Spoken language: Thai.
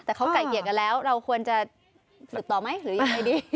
แต่เขาไก่เกลียดกันแล้วเราควรจะฝึกต่อไหมหรือยังไงดี